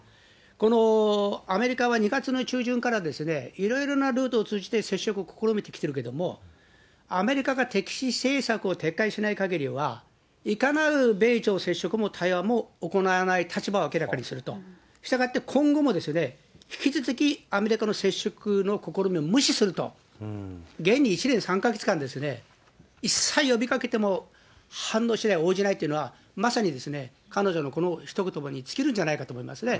このアメリカは２月の中旬から、いろいろなルートを通じて接触を試みてきているけれども、アメリカが敵視政策を撤回しないかぎりは、いかなる米朝接触も対話も行わない立場を明らかにすると、したがって今後もですね、引き続きアメリカの接触の試みを無視すると、現に１年３か月間ですね、一切呼びかけても反応しない、応じないというのは、まさに彼女のこのひと言に尽きるんじゃないかと思いますね。